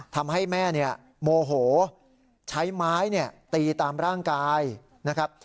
ทำให้แม่โมโหใช้ไม้ตีตามร่างกายนะครับ